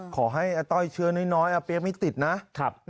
ขอให้อาต้อยเชื่อน้อยอาเปี๊ยกไม่ติดนะ